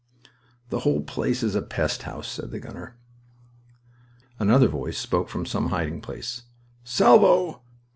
"The whole place is a pest house," said the gunner. Another voice spoke from some hiding place. "Salvo!"